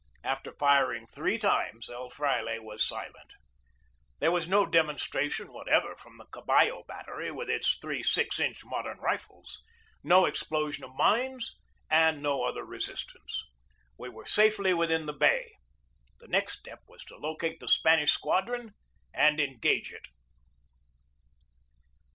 After firing three times El Fraile was silent. There was no demonstration whatever from the Caballo battery, with its three 6 inch modern rifles, no ex plosion of mines, and no other resistance. We were safely within the bay. The next step was to locate the Spanish squadron and engage it.